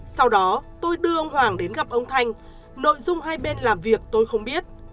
sau đó tôi đưa ông hoàng đến gặp ông thanh nội dung hai bên làm việc tôi không biết